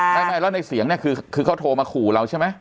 ไม่แล้วในเสียงเนี่ยคือเขาโทรมาขู่เราใช่ไหม